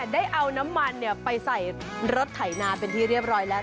ได้เอาน้ำมันไปใส่รถไถนาเป็นที่เรียบร้อยแล้ว